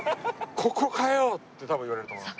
「ここかよ！」って多分言われると思います。